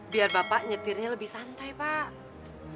biar bapak nyetirnya lebih santai pak